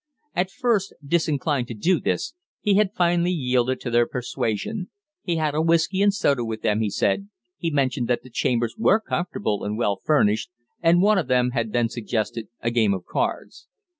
At first disinclined to do this, he had finally yielded to their persuasion. He had a whiskey and soda with them, he said he mentioned that the chambers were comfortable and well furnished and one of them had then suggested a game of cards.